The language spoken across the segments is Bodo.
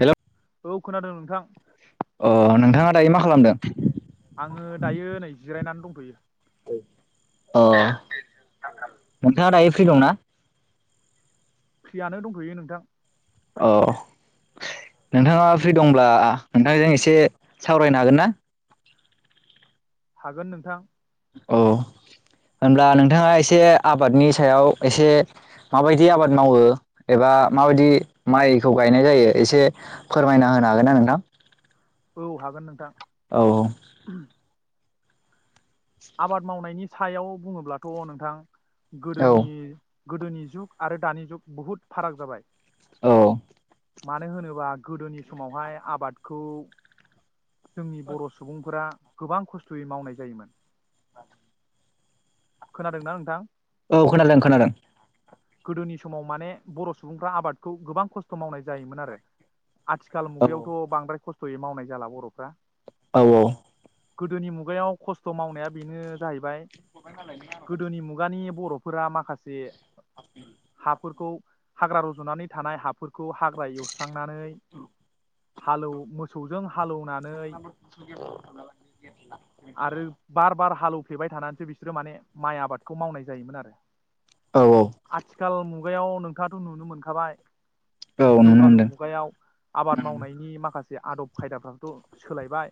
हेल' औ खोनादों नोंथां। अ नोंथाङा दायो मा खालामदों? आङो दायो नै [inaudible] अ नोंथाङा दायो फ्रि दंना? फ्रियानो दंथ'यो नोंथां। अ नोंथाङा फ्रि दंब्ला नोंथांजों एसे सावरायनो हागोन ना? हागोन नोंथां। औ होनब्ला नोंथाङा एसे आबादनि सायाव एसे माबायदि आबाद मावो एबा माबायदि माइखौ गायनाय जायो एसे फोरमायना होनो हागोन ना नोंथां? औ हागोन नोंथां। औ-औ आबाद मावनायनि सायाव बुङोब्लाथ' नोंथां औ गोदोनि गोदोनि जुग आरो दानि जुग बुहुद फाराग जाबाय औ मानो होनोबा गोदोनि समावहाय आबादखौ जोंनि बर' सुबुंफोरा गोबां खस्थ'यै मावनाय जायोमोन। खोनादोंना नोंथां? औ खोनादों खोनादों। गोदोनि समाव माने बर' सुबुंफ्रा आबादखौ गोबां खस्थ' मावनाय जायोमोन आरो। आथिखाल औ मुगायावथ'बांद्राय खस्थ' थयै मावनाय जाला बर' फ्रा औ-औ गोदोनि मुगायाव खस्थ' मावनाया बेनो जाहैबाय गोदोनि मुगानि बर'फोरा माखासे फोरखौ हाग्रा रज'नानै थानाय हाफोरखौ हाग्रा एवस्रांनानै हालौव मोसौजों हालौवनानै [unintelligible] फेबाय थानानैसो बिसोरो माने माइ आबादखौ मावनाय जायोमोन आरो औ आथिखाल खुगायाव नोंथाङाथ' नुनो मोनखाबाय औ नुनो जौगालु मोनदों मुगायाव आबाद मावनायनि माखासे जे आदब खायदाफ्राथ' सोलायबाय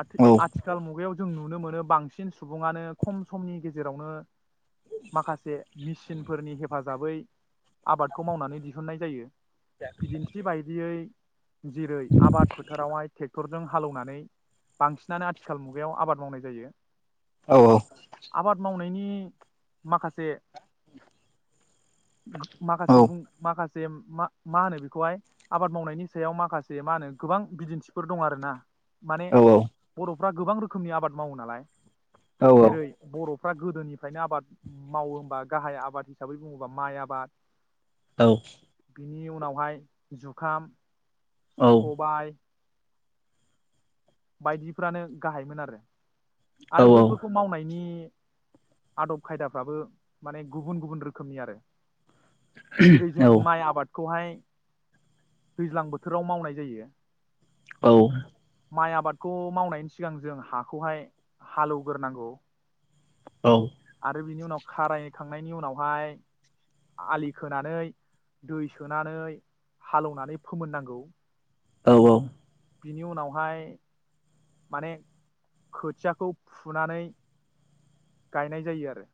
आथि औ आथिखाल मुगायाव जों नुनो मोनो बांसिन सुबुङानो खम समनि गेजेरावनो माखासे मेसिनफोरनि हेफाजाबै आबादखौ मावनानै दिहुननाय जायो। बिदिन्थि बायदियै जेरै आबाद फोथारावहाय टेक टेक्टरजों हालेवनानै बांसिनानो आथिखाल मुगायाव आबाद मावनाय जायो। औ आबाद मावनाय नि माखासे औ माखासे बुं माखासे जे मा होनो बेखौहाय आबाद मावनायनि सायाव माखासे मा होनो गोबां बिदिन्थि फोर दं आरो ना। माने औ बर' बर' फोरा गोबां रोखोमनि आबाद मावो नालाय औ जेरै बर' फ्रा गोदोनिफ्रायनो आबाद मावो होमबा गाहाय आबाद हिसाबै बुङोबा माइ आबाद। औ बिनि उनावहाय जुखाम सबाइ बायदिफ्रानो गाहायमोन आरो आरो बैफोरखौ मावनायनि आदब खायदाफ्राबो माने गुबुन गुबुन रोखोमनि आरो जेरै जों औ माइ आबाद। खौहाय दैज्लां बोथोराव मावनाय जायो। औ माइ आबादखौ मावनायनि सिगां जों हाखौहाय हालौवग्रोनांगौ। औ आरो बिनि उनाव खारायखांनायनि उनावहाय आलि खोनानै दै सोनानै हालौनानै फोमोननांगौ। औ औ बिनि उनावहाय माने खोथियाखौ फुनानै गायनाय जायो आरो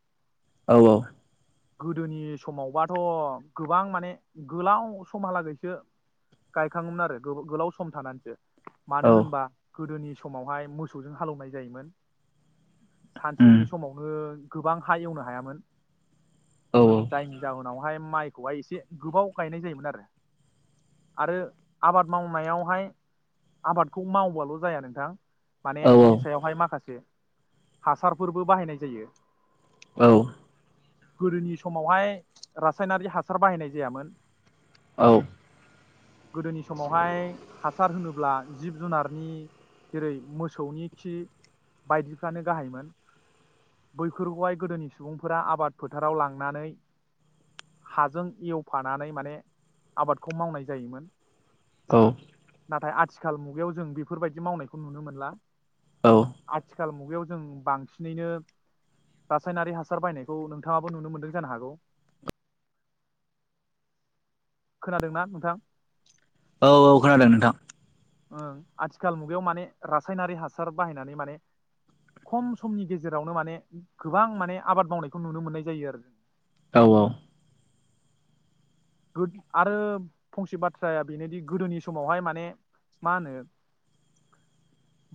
औ औ गोदोनि समावबाथ' गोबां माने गोलाव समहालागैसो गायखाङोमोन आरो गोलाव सम थानानैसो औ मानो होनबा गोदोनि समावहाय मोसौजों हालौनाय जायोमोन। उम सानसेनि समावनो गोबां हा एवनो हायामोन। औ जायनि जाहोनावहाय माइ खौहाय एसे गोबाव गायनाय जायोमोन आरो आरो आबाद मावनायावहाय आबादखौ मावबाल' जाया नोंथां। माने औ बिनि सायावहाय माखासे हासारफोरबो बाहायनाय जायो। औ गोदोनि समावहाय रासायनारि हासार बाहायनाय जायामोन। औ गोदोनि समावहाय हासार होनोबा अब्ला जिब जुनारनि जेरै मोसौनि खि बायदिफ्रानो गाहायमोन बैफोरखौहाय गोदोनि सुबुंफोरा आबाद फोथाराव लांनानै हाजों एवफानानै माने आबादखौ मावनाय जायोमोन। औ नाथाय आथिखाल मुगायाव जों बेफोरबायदि मावनायखौ नुनो मोनला। औ आथिखाल मुगा बेयाव जों बांसिनैनो रासायनारि हासार बायनायखौ नों थाङाबो नुनो मोनदों जानो हागौ। खोनादोंना नोंथां। औ औ खोनादों नोंथां। ओ आथिखाल मुगायाव माने रासायनारि हासार बाहायनानै माने खम समनि गेजेरावनो माने गोबां माने आबाद मावनायखौ नुनो मोननाय जायो आरो। औ औ गोद आरो फंसे बाथ्राया बेनोदि गोदोनि समावहाय माने मा होनो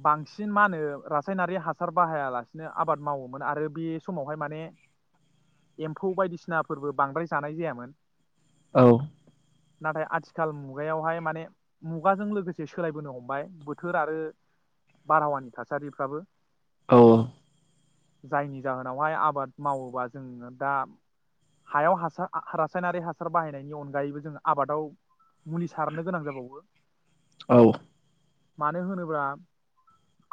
बांसिन मा होनो रासायनारि हासार बाहायालासिनो आबाद मावोमोन आरो बे समावहाय माने एम्फौ बायदिसिनाफोरबो बांद्राय जानाय जायामोन औ नाथाय आथिखाल मुगायावहाय माने मुगाजों लोगोसे सोलायबोनो हमबाय बोथोर आरो बारहावानि थासारिफ्राबो औ जायनि जाहोनावहाय आबाद मावोबा जोंङो दा हायाव हासा आं रासायनारि हा सार बाहायनायनि अनगायैबो जोंङो आबादाव मुलि सारनो गोनां जाबावो। औ मानो होनोब्ला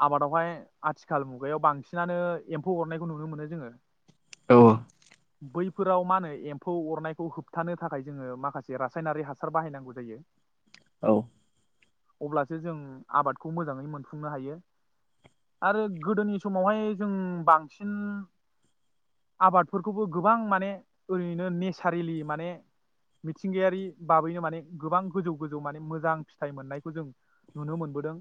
आबादावहाय आथिखाल मुगायाव बांसिनानो एम्फौ अरनायखौ नुनो मोनो जोङो औ बैफोराव मा होनो एम्फौ अरनायखौ होब थानो थाखाय जोङो माखासे रासायनारि हासार बाहायनांगौ जायो। औ अब्लासो जों आबादखौ मोजाङै मोनफुंनो हायो आरो गोदोनि समावहाय जों बांसिन आबादफोरखौबो गोबां माने ओरैनो नेसारेलि माने मिथिंगायारि बाबैनो माने गोबां गोजौ गोजौ माने मोजां फिथाइ मोननायखौ जों नुनो मोनबोदों।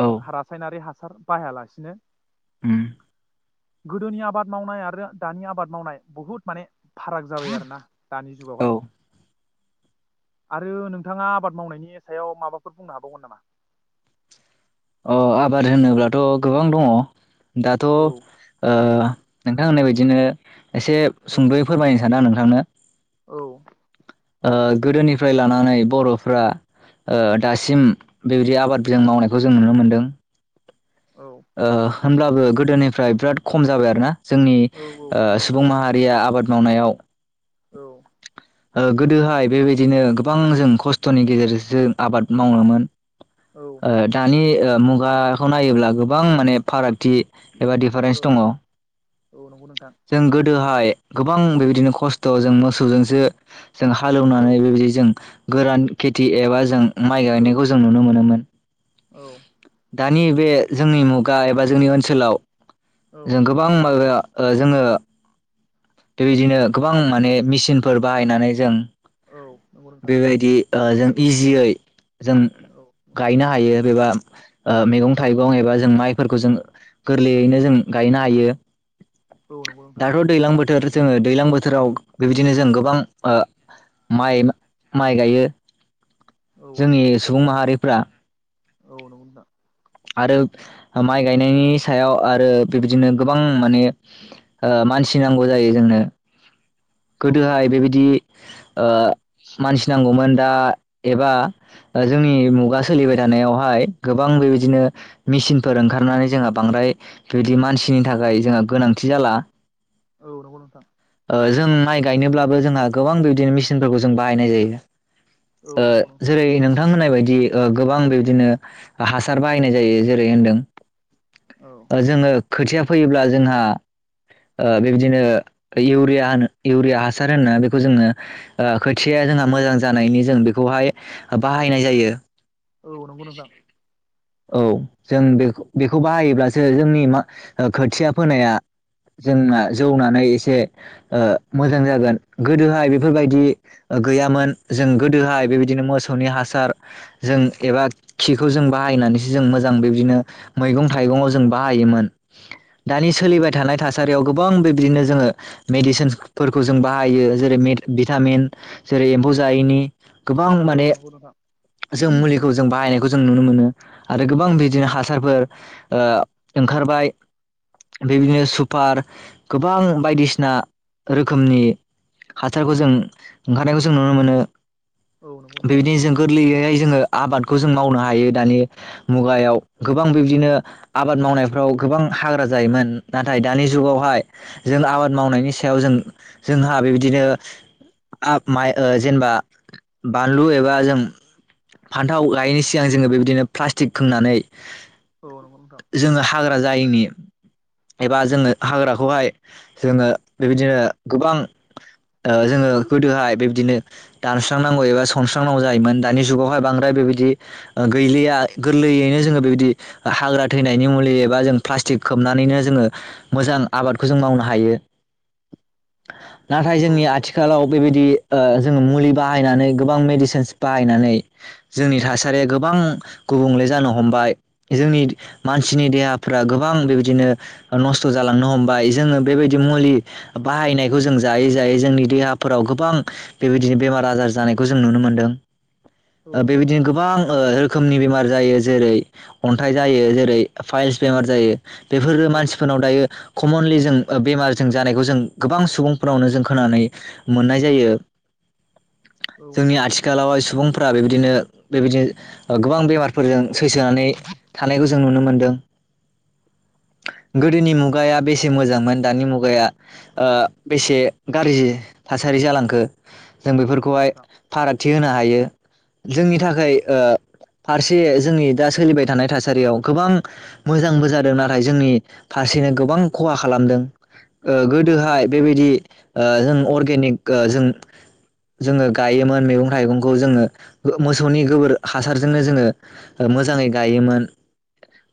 औ [unintelligible] रासायनारि हा सार बाहायालासिनो उम गोदोनि आबाद मावनाय आरो दानि आबाद मावनाय बहुद माने फाराग जाबाय आरोना दानि औ जुगावहाय आरो नोंथांङा आबाद मावनायनि सायाव माबाफोर बुंनो हाबावगोन नामा? अ आबाद होनोब्लाथ' गोबां दङ। दाथ' ओ औ नोंथां होननाय बादिनो एसे औ सुंद'यै फोरमायनो सानो आं नों थांनो औ ओ गोदोनिफ्राय लानानै बर'फ्रा ओ दासिम बेबायदि आबाद बिदां मावनायखौ जों नुनो मोनदों। ओ होनब्लाबो गोदोनिफ्राय बिराद खम जाबाय आरो ना जोंनि औ सुबुं माहारिया आबाद मावनायाव औ ओ गोदोहाय बेबायदिनो गोबां जों खस्थ'नि गेजेरजोंसो आबाद मावोमोन औ ओ दानि ओ मुगाखौ नायोब्ला गोबां माने फारागथि एबा औ डिफारेन्स दंङ औ नंगौ नों जों गोद दोहाय गोबां बेबायदिनो खस्थ' जों मोसौजोंसो जों औ हालेवनानै बेबायदि जों गोरान खेथि एबा जों माइ औ गायनायखौ जों नुनो मोनोमोन औ दानि बे जोंनि मुगा एबा जोंनि ओनसोलाव औ जों गोबां माबाया ओ जोङो बेबायदिनो गोबां माने मेचिनफोर बाहायनानै जों औ बेबायदि ओ जों इजियै जों औ नोंथां गायनो हायो एबा ओ मैगं थाइगं एबा जों माइफोरखौ जों गोरलैयैनो जों गायनो हायो। औ नंगौ नोंथां दाथ' दैज्लां बोथोर जोङो दैलां बोथोराव बेबायदिनो जों गोबां आ माइ माइ गायो औ नंगौ जोंनि नोंथां सुबुं माहारि फ्रा औ नंगौ नोंथां आरो माइ गायनायनि सायाव आरो बेबदिनो गोबां माने ओ मानसि नांगौ जायो जोंनो गोदोहाय बेबायदि ओ मानसि नांगौमोन दा एबा जोंनि मुगा सोलिबाय थानायावहाय गोबां बिबायदि दिनो मेसिनफोर ओंखारनानै जोंहा बांद्राय बिदि मानसिनि थाखाय जोंहा गोनांथि जाला औ नंगौ नोंथां ओ जों माइ गायनोब्लाबो जोंहा गोबां बिदिनो मेसिनफोरखौ जों बाहायनाय जायो। ओ जेरै नोंथां थां होननाय बायदि गोबां बेबदिनो हासार बाहायनाय जायो जेरै होन्दों। जोङो खोथिया फैयोब्ला जोंहा ओ बेबादिनो इउरिया होनो इउरिया हासार होनना बेखौ जोङो खोथिाया जोंहा मोजां जानायनि जों बेखौहाय बाहायनाय जायो। औ नोंगौनोथां। औ जों बे बेखौ बाहायोब्लासो जोंनि म खोथिया फोनाया जोंना जौनानै एसे मोजां जागोन गोदोहाय बेफोरबायदि गैयामोन जों गोदोहाय बेबायदिनो मोसौनि हासार जों एबा खिखौ जों बाहायनानै। जों मोजां बेदिनो मैगं थाइगंयाव जों बाहायोमोन। दानि औ नंगौ नोंथां औ नंगौ नोंथां औ सोलिबाय थानाय थासारियाव गोबां बेबदिनो जोङो मेडिसिन फोरखौ जों बाहायो जेरै भिटामिन जेरै एम्फौ जायैनि। गोबां माने। नंगौ नोंथां जों मुलिखौ जों बाहायनायखौ जों नुनो मोनो। आरो गोबां बिदिनो हासारफोर ओ ओंखारबाय बेबायदिनो सुपार गोबां बायदिसिना रोखोमनि हासारखौ जों ओंखारनायखौ जों नुनो मोनो। औ नंगौ नोंथां। बेहाय जोङो आबादखौ जों मावनो हायो दानि मुगायाव गोबां बिब्दिनो आबाद मावनायफ्राव गोबां हाग्रा जायोमोन नाथाय दानि जुगावहाय जों आबाद मावनायनि सायाव जों जोंहा बिबदिनो आ माइ ओ जेनेबा बानलु एबा जों। फान्थाव गायैनि सिगां जोङो बेबायदिनो प्लास्टिक खोंनानै। नोंथां जोङो हाग्रा जायैनि। एबा जोङो हाग्राखौहाय जोङो बेबायदिनो गोबां ओ जोङो गोदोहाय बेबायदिनो दानस्रांनांगौ एबा सनस्रांनांगौ जायोमोन दानि जुगावहाय बांद्राय बेबायदि गैलिया गोरलैयैनो जोङो बेबायदि हाग्रा थैनायनि मुलि एबा जों प्लास्टिक खोबनानैनो। जोङो मोजां आबादखौ जों मावनो हायो। नाथाय जोंनि आथिखालाव बेबायदि ओ जोङो मुलि बाहायनानै गोबां मेडिसिनस बाहायनानै जोंनि थासारिया गोबां गुबुंले जानो हमबाय जोंनि मानसिनि देहाफ्रा गोबां बेबायदिनो। नस्थ जालांनो हमबाय जोङो बेबायदि मुलि बाहायनायखौ जों जायै जायै जोंनि देहाफोराव गोबां बेबायदिनो बेमार आजार जानायखौ जों नुनो मोन्दों। ओ बेबायदिनो गोबां ओ रोखोमनि बेमार। जायो जेरै अन्थाइ जायो जेरै फाइल्स बेमार जायो। बेफोरो औ मानसि। नाव दायो कमनलि जों बेमार। जों जानायखौ जों गोबां सुबुंफोरावनो जों खोन मोननाय जायो। नंगौ जोंनि नोंथां आथिखालाव सुबुंफोरा बेबायदिनो। बेबायदि गोबां बेमारफोरजों। सैसोनानै थानायखौ जों नुनो मोनो। मोनदों। गोदोनि मुगाया बेसे मोजांमोन दानि मुगाया ओ बेसे गाज्रि थासारि जालांखो। जों बेफोरखौहाय औ फारागथि होनो हायो। जोंनि थाखाय ओ फारसे जोंनि दा सोलिबाय थानाय थासारियाव गोबां मोजांबो जादों नाथाय जोंनि। फारसे गोबां खहा खालामदों। ओ नंगौ नोंथां औ नंगौ नोंथां औ नंगौ नोंथां औ नंगौ गोदोहाय नोंथां बेबायदि ओ जों अर अरगेनिक जों जोङो गायोमोन मैगं थाइगंखौ जोङो मोसौनि गोबोर हासारजोंनो जोङो मोजाङै गायोमोन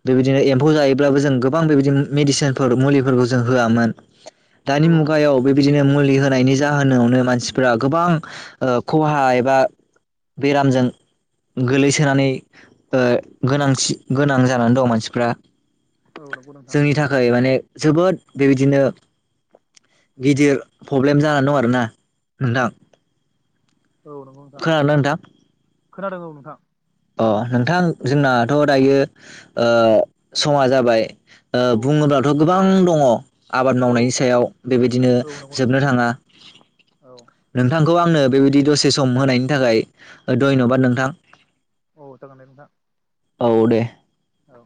बेबायदिनो एम्फौ जायोब्लाबो जों गोबां बेबायदिनो मेडिसिनफोर मुलिफोरखौ जों होआमोन। दानि औ नंगौ मुगायाव बेबायदिनो मुलि होनायनि जाहोनावनो मानसिफोरा गोबां। ओ खहा एबा बेरामजों गोलैसोनानै ओ गोनांथि गोनां जानानै दं मानसिफ्रा औ जोंनि थाखाय माने जोबोद बेबायदिनो गिदिर प्रब्लेम जानानै दं आरोना नोंथां औ नंगौ नोंथां खोनादों ना नोंथा खोनादों औ नोंथां अ नोंथां जोंनाथ दायो ओ समा जाबाय। अ औ नोंथां बुङोब्लाथ' गोबां दङ आबाद औ मावनायनि सायाव बेबायदिनो औ नंगौ नोंथां जोबनो थाङा औ नोंथांखौ आंनो बेबायदि दसे सम होनायनि थाखाय धन्यबाद नोंथां। औ जागोन दे नोंथां। औ दे। औ